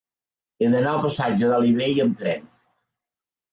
He d'anar al passatge d'Alí Bei amb tren.